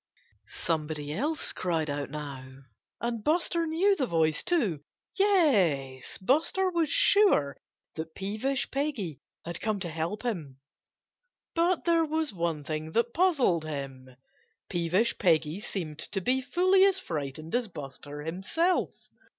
Somebody else cried out now. And Buster knew the voice, too. Yes! Buster was sure that Peevish Peggy had come to help him. But there was one thing that puzzled him. Peevish Peggy seemed to be fully as frightened as Buster himself.